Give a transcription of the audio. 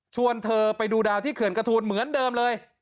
เธอไปดูดาวที่เขื่อนกระทูลเหมือนเดิมเลย